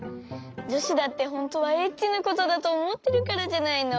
じょしだってほんとはエッチなことだとおもってるからじゃないの？